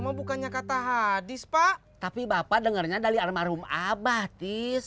mah bukannya kata hadis pak tapi bapak dengarnya dari almarhum abah tis